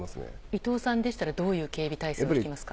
伊藤さんでしたらどういう警備体制にしますか。